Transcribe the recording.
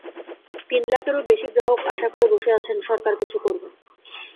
তিন লাখেরও বেশি গ্রাহক আশা করে বসে আছেন সরকার কিছু করবে।